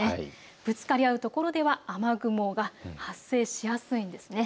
ぶつかり合うところでは雨雲が発生しやすいんです。